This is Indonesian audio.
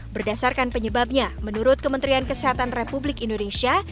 berdasarkan penyebabnya menurut kementerian kesehatan republik indonesia